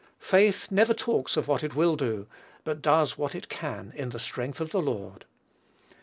Faith never talks of what it will do, but does what it can in the strength of the Lord.